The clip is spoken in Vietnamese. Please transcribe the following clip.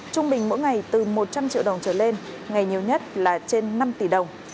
trung bình mỗi ngày từ một trăm linh triệu đồng trở lên ngày nhiều nhất là trên năm tỷ đồng